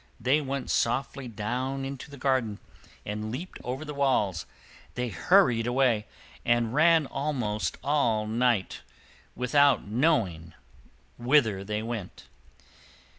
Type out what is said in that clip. They went softly down unto the garden, and leaped over the walls. They hurried away, and ran almost all night, without knowing whither they went.